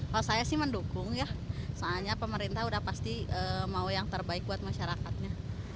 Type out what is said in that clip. kalau saya sih mendukung ya soalnya pemerintah udah pasti mau yang terbaik buat masyarakatnya